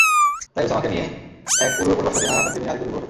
তাই উসামাকে নিয়ে এক উরুর উপর বসাতেন আর হাসানকে নিয়ে আরেক উরুর উপর বসাতেন।